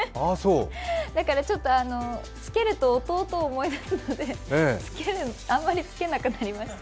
だからつけると弟を思い出すのであまりつけなくなりました。